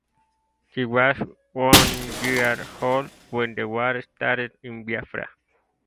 He was one year old when the war started in Biafra.